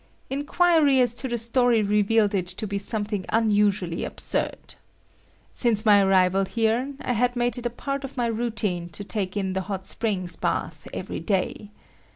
Inquiry as to the story revealed it to be something unusually absurd. Since my arrival here, I had made it a part of my routine to take in the hot springs bath every day.